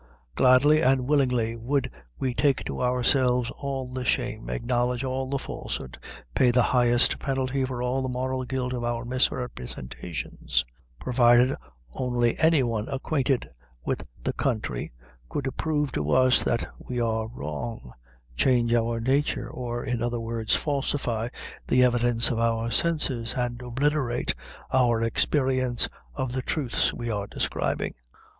Gladly and willingly would we take to ourselves all the shame; acknowledge all the falsehood; pay the highest penalty for all the moral guilt of our misrepresentations, provided only any one acquainted with the country could prove to us that we are wrong, change our nature, or, in other words, falsify the evidence of our senses and obliterate our experience of the truths we are describing.